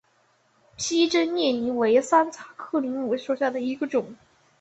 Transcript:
披针叶柃为山茶科柃木属下的一个种。